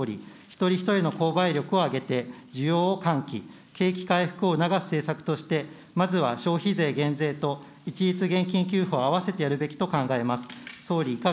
一人一人の購買力を上げて、需要を喚起、景気回復を促す政策として、まずは消費税減税と一律現金給付を併せてやるべきと考えます。